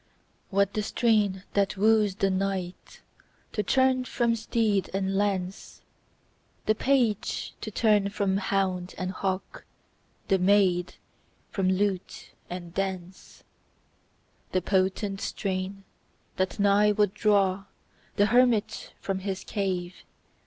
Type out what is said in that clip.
what the strain that woos the knight To turn from steed and lance, The page to turn from hound and hawk, The maid from lute and dance ; The potent strain, that nigh would draw The hermit from his cave.